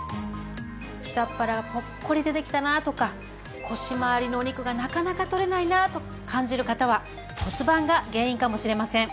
下っ腹がポッコリ出てきたなとか腰まわりのお肉がなかなか取れないなと感じる方は骨盤が原因かもしれません。